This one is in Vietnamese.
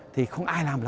thì không ai làm lắm